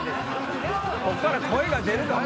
こっから声が出るのか？